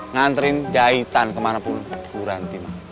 ngantriin jahitan kemana pun